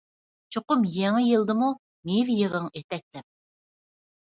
چوقۇم يېڭى يىلدىمۇ، مېۋە يىغىڭ ئېتەكلەپ.